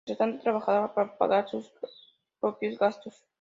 Mientras tanto, trabajaba para pagar sus propios gastos.